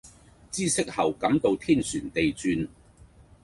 知悉後感到天旋地轉